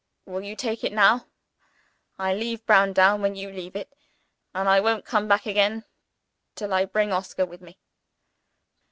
"Will you take it now? I leave Browndown when you leave it; and I won't come back again till I bring Oscar with me.